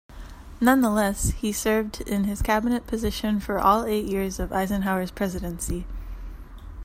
Nonetheless, he served in his cabinet position for all eight years of Eisenhower's presidency.